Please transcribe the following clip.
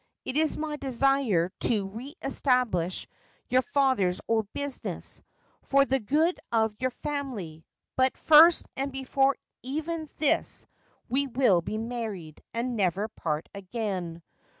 It is my desire to re establish your father's old business, for the good of your family ; but first and before even this we will be married and never part again.